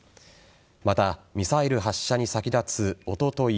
また、ミサイル発射に先立つおととい